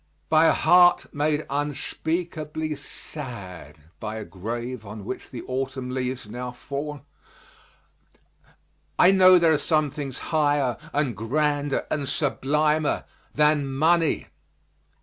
By a heart made unspeakably sad by a grave on which the autumn leaves now fall, I know there are some things higher and grander and sublimer than money.